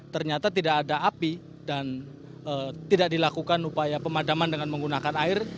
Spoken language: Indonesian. ternyata tidak ada api dan tidak dilakukan upaya pemadaman dengan menggunakan air